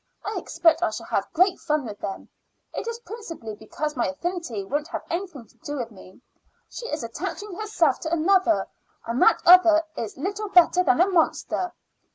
I expect I shall have great fun with them. It is principally because my affinity won't have anything to do with me; she is attaching herself to another, and that other is little better than a monster.